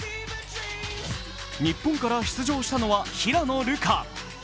日本から出場したのは平野流佳。